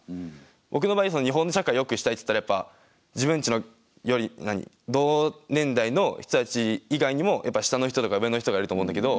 僕の場合その日本の社会をよくしたいっていったらやっぱ自分たちより同年代の人たち以外にもやっぱり下の人とか上の人がいると思うんだけど。